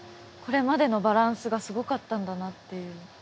これまでのバランスがすごかったんだなっていう。